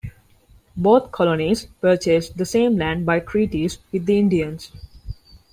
Both colonies purchased the same land by treaties with the Indians.